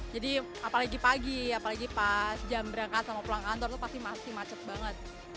jadi apalagi pagi apalagi pas jam berangkat sama pulang kantor tuh pasti masih macet banget